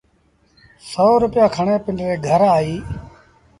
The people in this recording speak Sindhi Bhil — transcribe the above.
سو روپيآ کڻي پنڊري گھر آئيٚ